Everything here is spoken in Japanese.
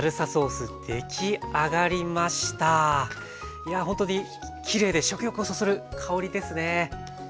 いやほんとにきれいで食欲をそそる香りですね。